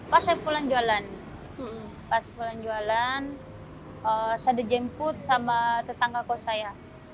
pas saya pulang jualan saya dijemput sama tetangga kos saya